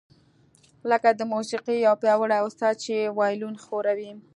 لکه د موسیقۍ یو پیاوړی استاد چې وایلون ښوروي